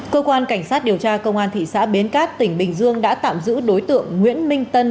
cơ quan cảnh sát điều tra công an thị xã bến cát tỉnh bình dương đã tạm giữ đối tượng nguyễn minh tân